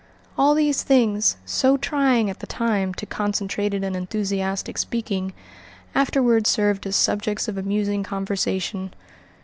All these things, so trying, at the time, to concentrated and enthusiastic speaking, afterward served as subjects of amusing conversation.